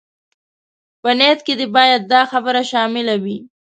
په نيت کې دې بايد دا خبره شامله وي.